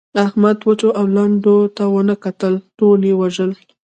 احمد وچو او لندو ته و نه کتل؛ ټول يې ووژل.